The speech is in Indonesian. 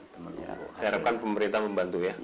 harapkan pemerintah membantu ya